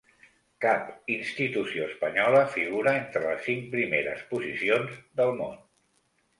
Cap institució espanyola figura entre les cinc primeres posicions del món.